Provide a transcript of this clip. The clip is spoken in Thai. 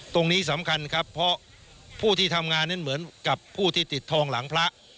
ตรงนี้สำคัญครับเพราะผู้ที่ทำงานนั้นเหมือนกับผู้ที่ติดทองหลังพระ